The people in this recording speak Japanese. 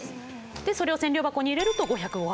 でそれを千両箱に入れると５０５箱。